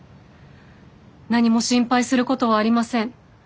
何も心配することはありません。